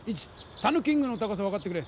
たぬキングの高さをはかってくれ！